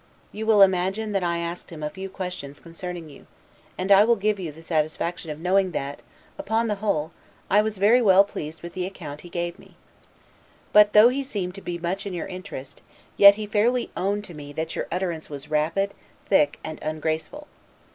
You will easily imagine that I asked him a few questions concerning you; and I will give you the satisfaction of knowing that, upon the whole, I was very well pleased with the account he gave me. But, though he seemed to be much in your interest, yet he fairly owned to me that your utterance was rapid, thick, and ungraceful.